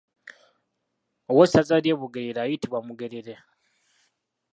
Owessaza ly’e Bugerere ayitibwa Mugerere.